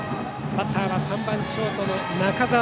バッターは３番ショート、中澤。